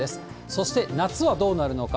そして夏はどうなるのか。